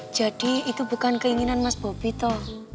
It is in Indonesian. jadi itu bukan keinginan mas bobby toh